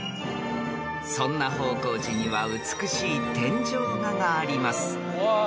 ［そんな方広寺には美しい天井画があります］